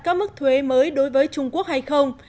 các mức thuế mới đối với trung quốc hay không